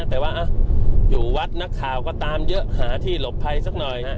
แต่ว่าอยู่วัดนักข่าวก็ตามเยอะหาที่หลบภัยสักหน่อยฮะ